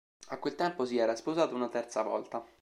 A quel tempo si era sposato una terza volta.